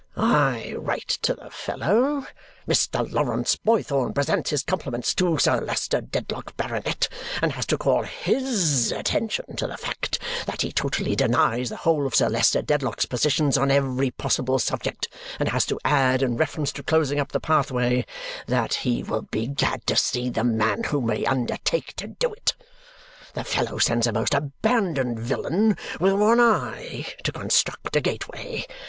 I write to the fellow, 'Mr. Lawrence Boythorn presents his compliments to Sir Leicester Dedlock, Baronet, and has to call HIS attention to the fact that he totally denies the whole of Sir Leicester Dedlock's positions on every possible subject and has to add, in reference to closing up the pathway, that he will be glad to see the man who may undertake to do it.' The fellow sends a most abandoned villain with one eye to construct a gateway.